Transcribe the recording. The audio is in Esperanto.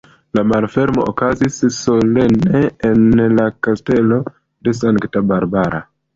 La malfermo okazis solene en la Kastelo de Sankta Barbara.